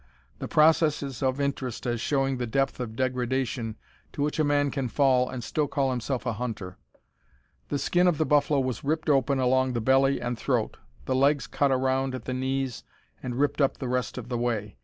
The process is of interest, as showing the depth of degradation to which a man can fall and still call himself a hunter. The skin of the buffalo was ripped open along the belly and throat, the legs cut around at the knees, and ripped up the rest of the way.